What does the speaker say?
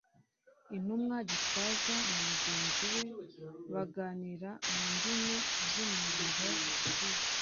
Intumwa #Gitwaza na mugenzi we baganira mu ndimi z'umuriro pic